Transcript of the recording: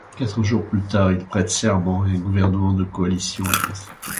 Quatre jours plus tard, il prête serment et un gouvernement de coalition est constitué.